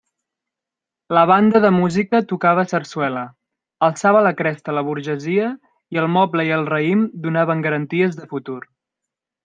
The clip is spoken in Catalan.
La banda de música tocava sarsuela, alçava la cresta la burgesia i el moble i el raïm donaven garanties de futur.